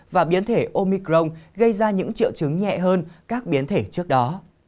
và biến thể omicron gây ra những triệu chứng nhẹ hơn các biến thể trước đó